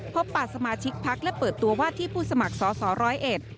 พบปราศมาชิกพักและเปิดตัววาดที่ผู้สมัครสศ๑๐๑